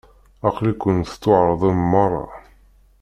Aql-iken tettwaεreḍem merra.